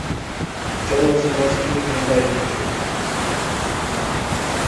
তের বছর বয়স থেকে তিনি ডায়েরি লিখতেন।